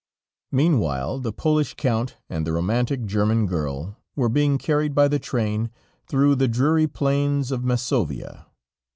Meanwhile, the Polish Count and the romantic German girl were being carried by the train through the dreary plains of Masovia.